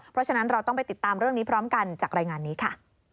เพราะฉะนั้นเราต้องไปติดตามเรื่องนี้พร้อมกันจากรายงานนี้ค่ะ